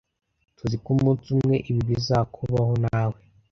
Tuziko umunsi umwe ibi bizakubaho, nawe.